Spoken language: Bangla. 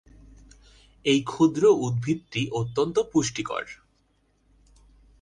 এই ক্ষুদ্র উদ্ভিদটি অত্যন্ত পুষ্টিকর।